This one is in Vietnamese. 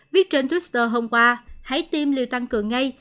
viết trên twitter hôm qua hãy tiêm liều tăng cường ngay